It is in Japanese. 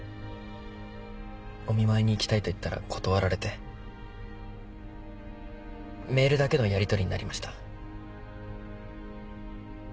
お見舞いに行きたいと言ったら断られてメールだけのやりとりになりました。